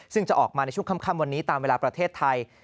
ซึ่งจะออกมาในช่วงค่ำวันนี้ตามเวลาประเทศไทย